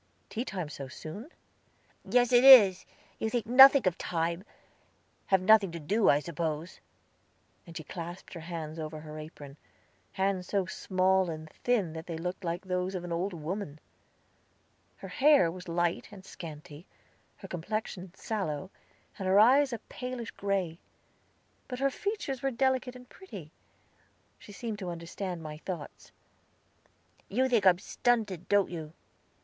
"Tea time so soon?" "Yes, it is. You think nothing of time; have nothing to do, I suppose." And she clasped her hands over her apron hands so small and thin that they looked like those of an old woman. Her hair was light and scanty, her complexion sallow, and her eyes a palish gray; but her features were delicate and pretty. She seemed to understand my thoughts. "You think I am stunted, don't you?"